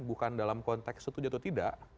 bukan dalam konteks setuju atau tidak